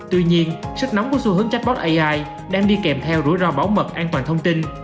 tuy nhiên sức nóng của xu hướng chatbot ai đang đi kèm theo rủi ro bảo mật an toàn thông tin